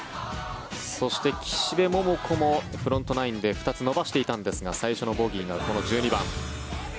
そして、岸部桃子もフロントナインで２つ伸ばしていたんですが最初のボギーがこの１２番。